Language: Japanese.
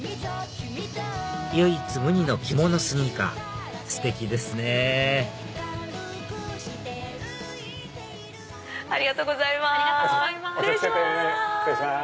唯一無二の着物スニーカーステキですねぇありがとうございます失礼します。